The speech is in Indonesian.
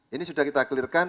ini sudah kita clearkan